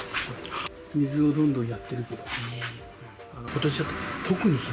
水をどんどんやってるけど。